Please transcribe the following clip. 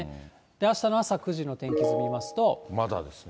あしたの朝９時の天気まだですね。